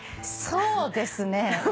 そうですね。